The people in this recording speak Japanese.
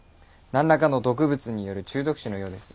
なんらかの毒物による中毒死のようです。